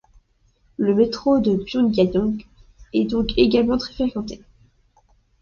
Le métro de Pyongyang est donc également très fréquenté.